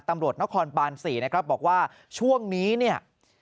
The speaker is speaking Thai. ตำรวจนครบาล๔บอกว่าช่วงนี้